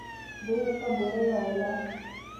دوى ورته بوړۍ ويله.